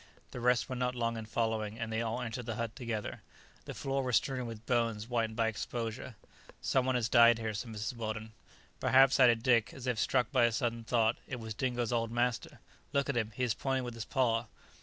The rest were not long in following, and they all entered the hut together. The floor was strewn with bones whitened by exposure. "Some one has died here," said Mrs. Weldon. "Perhaps," added Dick, as if struck by a sudden thought, "it was Dingo's old master. Look at him! he is pointing with his paw."